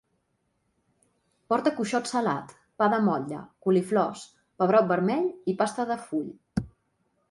Porta cuixot salat, pa de motlle, coliflors, pebrot vermell i pasta de full